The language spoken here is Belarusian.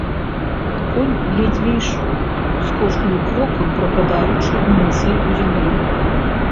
Конь ледзьве ішоў, з кожным крокам прыпадаючы мысай у зямлю.